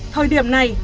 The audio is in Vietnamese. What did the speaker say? thời điểm này